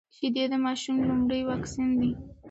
شيدې د ماشوم لومړنی واکسين دی.